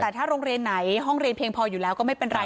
แต่ถ้าโรงเรียนไหนห้องเรียนเพียงพออยู่แล้วก็ไม่เป็นไร